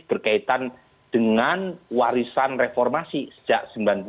berkaitan dengan warisan reformasi sejak seribu sembilan ratus sembilan puluh